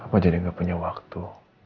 apa jadi gak punya waktu